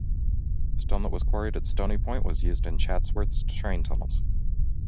Stone that was quarried at Stoney Point was used in Chatsworth's train tunnels.